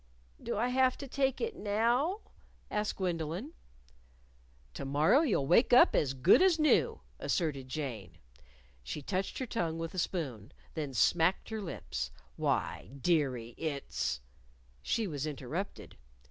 "Do I have to take it now?" asked Gwendolyn. "To morrow you'll wake up as good as new," asserted Jane. She touched her tongue with the spoon, then smacked her lips. "Why, dearie, it's " She was interrupted.